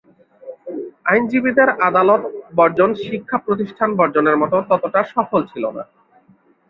আইনজীবীদের আদালত বর্জন শিক্ষা-প্রতিষ্ঠান বর্জনের মতো ততটা সফল ছিল না।